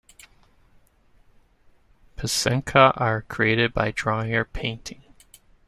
Pacenka are created by drawing or painting.